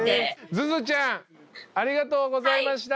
ズズちゃんありがとうございました。